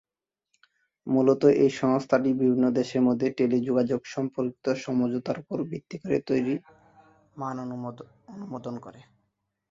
মূলত এই সংস্থাটি বিভিন্ন দেশের মধ্যে টেলিযোগাযোগ সম্পর্কিত সমঝোতার উপর ভিত্তি করে তৈরি মান অনুমোদন করে।